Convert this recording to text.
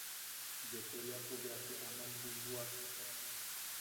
Yokoriapo beja te aman bwijwak.